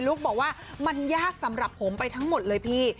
บอกว่ามันยากสำหรับผมไปทั้งหมดเลยพี่